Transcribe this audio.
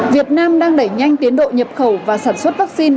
việt nam đang đẩy nhanh tiến độ nhập khẩu và sản xuất vắc xin